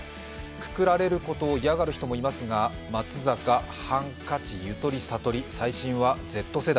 くくられることを嫌がる人もいますが、松坂、ハンカチ、ゆとり、さとり、最新はＺ世代。